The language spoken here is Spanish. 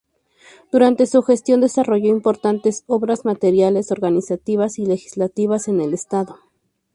Durante su gestión desarrolló importantes obras materiales organizativas y legislativas en el estado.